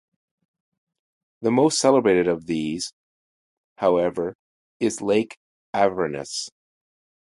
The most celebrated of these, however, is Lake Avernus.